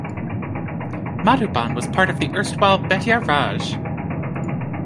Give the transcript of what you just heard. Madhuban was part of the erstwhile 'Bettiah Raj'.